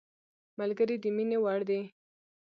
ملګری د مینې وړ دی